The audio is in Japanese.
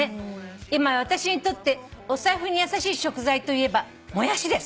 「今私にとってお財布に優しい食材といえばモヤシです」